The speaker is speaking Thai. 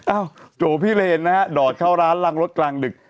อ้าวโกพี่เรนนะฮะดอดเข้าร้านหลังรถกลางดึก